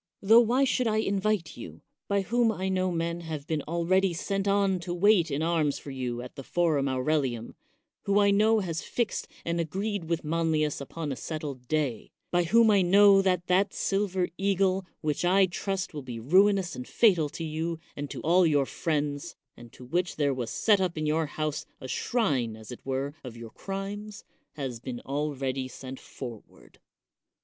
Tho why should I invite you, by whom I know men have been already sent on to wait in arms for you at the forum Aurelium ; who I know has fixed and agreed with Manlius upon a settled day; by whom I know that that silver eagle, which I trust will be ruinous and fatal to you and to all your friends, and to which there was 107 THE WORLD'S FAMOUS ORATIONS set up in your house a shrine as it were of your crimes, has been already sent forward.